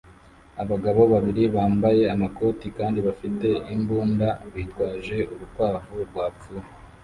Abagabo babiri bambaye amakoti kandi bafite imbunda bitwaje urukwavu rwapfuye